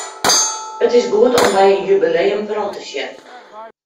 It is goed om by in jubileum werom te sjen.